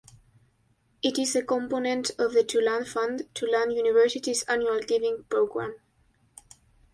It is a component of the Tulane Fund, Tulane University's annual giving program.